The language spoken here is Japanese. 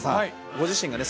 ご自身がね